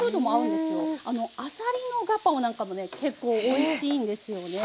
あさりのガパオなんかもね結構おいしいんですよね。